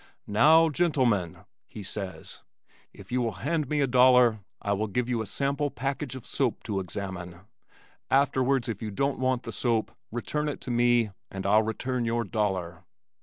"Now, gentlemen," he says, "if you will hand me a dollar I will give you a sample package of soap to examine, afterwards if you don't want the soap, return it to me, and I'll return your dollar."